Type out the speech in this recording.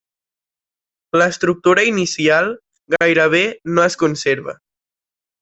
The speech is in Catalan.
L'estructura inicial gairebé no es conserva.